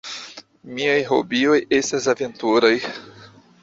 Miaj hobioj estas aventuraj.